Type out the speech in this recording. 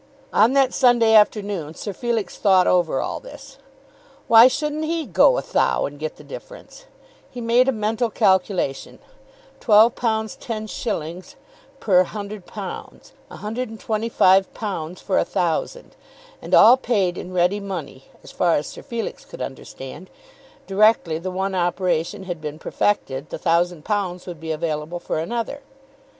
On that Sunday afternoon Sir Felix thought over all this. "Why shouldn't he 'go a thou,' and get the difference?" He made a mental calculation. £12 10_s._ per £100! £125 for a thousand! and all paid in ready money. As far as Sir Felix could understand, directly the one operation had been perfected the thousand pounds would be available for another.